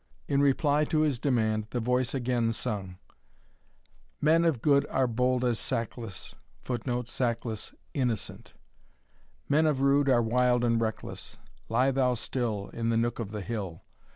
In reply to his demand, the voice again sung; "Men of good are bold as sackless,[Footnote: Sackless Innocent.] Men of rude are wild and reckless, Lie thou still In the nook of the hill.